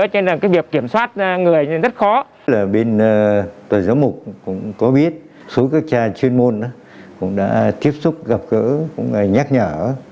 họ cũng có biết số các chai chuyên môn cũng đã tiếp xúc gặp gỡ cũng nhắc nhở